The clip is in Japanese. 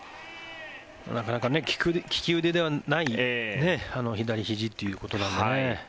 なかなか、利き腕ではない左ひじということなのでね。